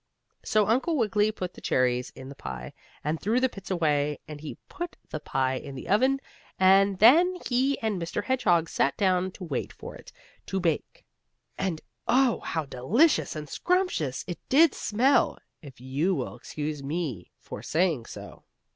So Uncle Wiggily put the cherries in the pie, and threw the pits away, and he put the pie in the oven, and then he and Mr. Hedgehog sat down to wait for it to bake. And oh, how delicious and scrumptious it did smell! if you will excuse me for saying so.